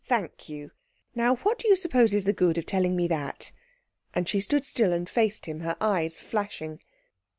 Thank you. Now what do you suppose is the good of telling me that?" And she stood still and faced him, her eyes flashing.